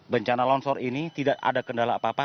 bencana longsor ini tidak ada kendala apa apa